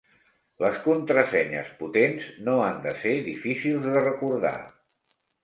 Les contrasenyes potents no han de ser difícils de recordar.